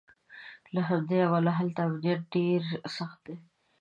له همدې امله هلته امنیت ډېر سخت دی.